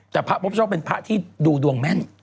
แต่พระพบโชคเป็นพระที่ดูดวงแม่น